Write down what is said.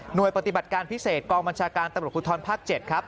หน่วยปฏิบัติการพิเศษกองบัญชาการตำรวจคุดทอนภาคเจ็ดครับ